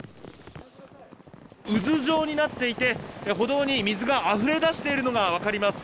渦状になっていて、歩道に水があふれ出しているのが分かります。